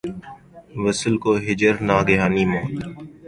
وصل کو ہجر ، ناگہانی موت